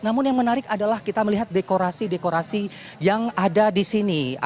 namun yang menarik adalah kita melihat dekorasi dekorasi yang ada di sini